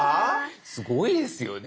すごいですよね。